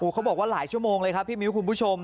เขาบอกว่าหลายชั่วโมงเลยครับพี่มิ้วคุณผู้ชม